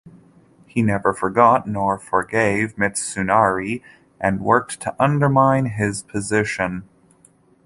He never forgot nor forgave Mitsunari and worked to undermine his position.